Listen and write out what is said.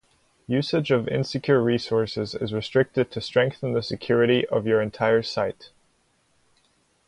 Usage of insecure resources is restricted to strengthen the security of your entire site.